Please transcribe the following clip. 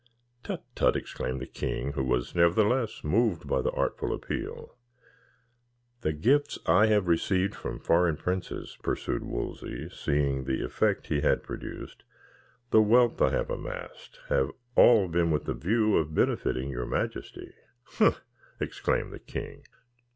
"Tut, tut!" exclaimed the king, who was, nevertheless, moved by the artful appeal. "The gifts I have received from foreign princes," pursued Wolsey, seeing the effect he had produced, "the wealth I have amassed, have all been with a view of benefiting your majesty." "Humph!" exclaimed the king.